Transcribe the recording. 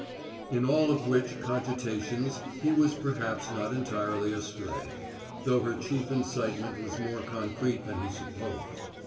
In all of which cogitations he was perhaps not entirely astray; though her chief incitement was more concrete than he supposed.